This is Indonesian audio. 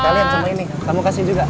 kalian semua ini kamu kasih juga